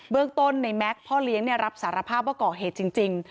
เรื่องต้นในแม็กซ์พ่อเลี้ยงรับสารภาพว่าก่อเหตุจริง